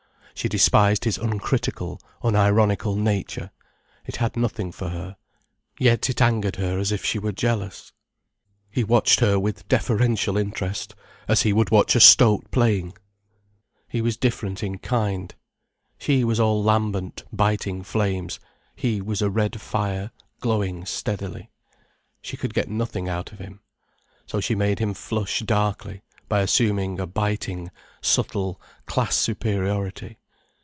She despised his uncritical, unironical nature, it had nothing for her. Yet it angered her as if she were jealous. He watched her with deferential interest as he would watch a stoat playing. But he himself was not implicated. He was different in kind. She was all lambent, biting flames, he was a red fire glowing steadily. She could get nothing out of him. So she made him flush darkly by assuming a biting, subtle class superiority.